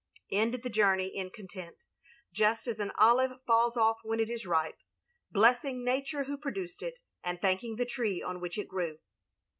"* End thy journey in content, just as an olive falls off when it is ripe, blessing Nattire who produced it, and thanking the tree on which it grew.